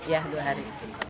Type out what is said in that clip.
iya dua hari